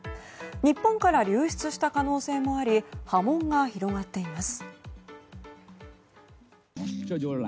日本から流出した可能性もあり波紋が広がっています。